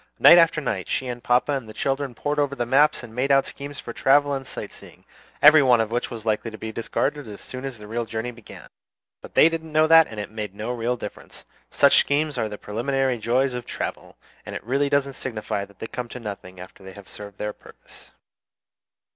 Night after night she and papa and the children pored over maps and made out schemes for travel and sight seeing, every one of which was likely to be discarded as soon as the real journey began. But they didn't know that, and it made no real difference. Such schemes are the preliminary joys of travel, and it doesn't signify that they come to nothing after they have served their purpose.